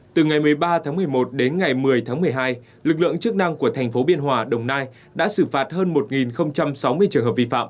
từ ngày một mươi ba tháng một mươi một đến ngày một mươi tháng một mươi hai lực lượng chức năng của thành phố biên hòa đồng nai đã xử phạt hơn một sáu mươi trường hợp vi phạm